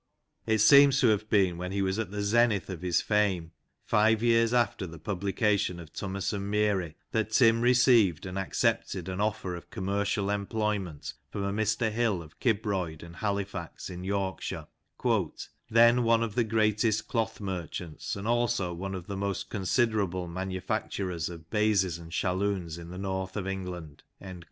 It seems to have been when he was at the zenith of his fame, five years after the publication of Tummus and Meary, that Tim received and accepted an offer of " commercial employment " from a Mr Hill, of Kibroyd and Halifax, in Yorkshire, " then one of the greatest cloth merchants, and also one of the most considerable manufacturers of baizes and shalloons in the north of England."